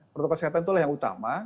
protokol kesehatan itulah yang utama